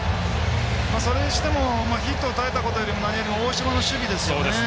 それにしてもヒットを打たれたことよりも何よりも大島の守備ですよね。